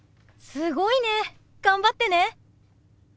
すごいね。頑張ってね！